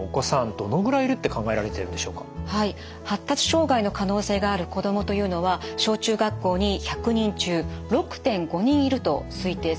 発達障害の可能性がある子どもというのは小中学校に１００人中６．５人いると推定されています。